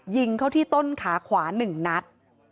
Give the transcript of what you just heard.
ยิงเข้าที่ต้นขาขวา๑นัด